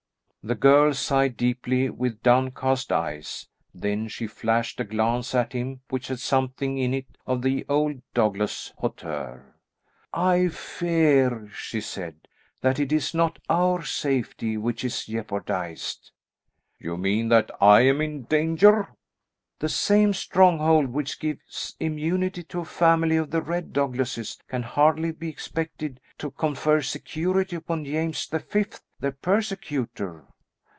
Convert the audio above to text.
The girl sighed deeply with downcast eyes, then she flashed a glance at him which had something in it of the old Douglas hauteur. "I fear," she said, "that it is not our safety which is jeopardised." "You mean that I am in danger?" "The same stronghold which gives immunity to a family of the Red Douglases can hardly be expected to confer security upon James the Fifth, their persecutor."